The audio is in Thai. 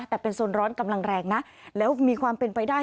แต่เป็นโซนร้อนกำลังแรงนะแล้วมีความเป็นไปได้